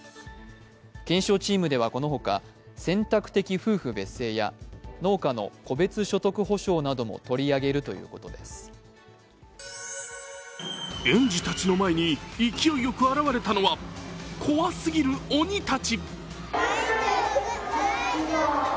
検証チームは、このほか、選択的夫婦別姓や農家戸別所得補償なども園児たちの前に勢いよく現れたのは怖すぎる鬼たち。